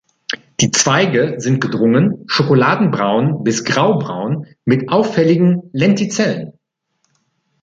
Die Zweige sind gedrungen, schokoladenbraun bis graubraun, mit auffälligen Lentizellen.